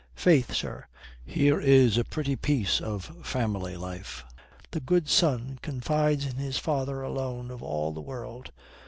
Faith, sir, here is a pretty piece of family life. The good son confides in his father alone of all the world."